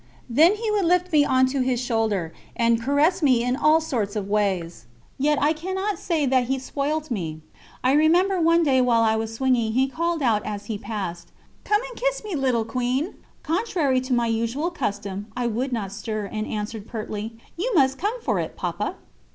Then he would lift me on to his shoulder, and caress me in all sorts of ways. Yet I cannot say that he spoilt me. I remember one day while I was swinging he called out as he passed: "Come and kiss me, little Queen." Contrary to my usual custom, I would not stir, and answered pertly: "You must come for it, Papa."